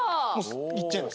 いっちゃいます。